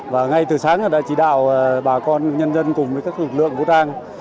và ngay từ sáng đã chỉ đạo bà con nhân dân cùng với các lực lượng vũ trang